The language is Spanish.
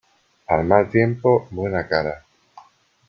A mal tiempo, buena cara.